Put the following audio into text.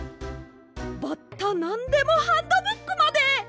「バッタなんでもハンドブック」まで！